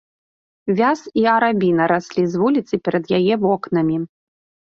Вяз і арабіна раслі з вуліцы перад яе вокнамі.